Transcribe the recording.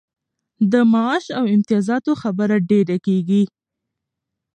د معاش او امتیازاتو خبره ډېره کیږي.